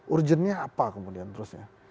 urgennya apa kemudian terusnya